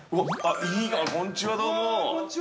こんにちは、どうも。